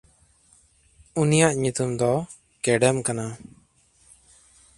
ᱩᱱᱤᱭᱟᱜ ᱧᱩᱛᱩᱢ ᱫᱚ ᱠᱮᱰᱮᱢ ᱠᱟᱱᱟ᱾